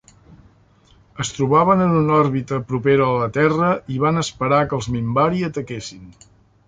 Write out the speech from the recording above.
Es trobaven en una òrbita propera a la Terra i van esperar que els Minbari ataquessin.